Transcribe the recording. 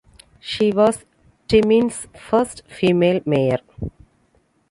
She was Timmins' first female mayor.